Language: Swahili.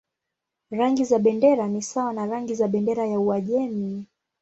Rangi za bendera ni sawa na rangi za bendera ya Uajemi.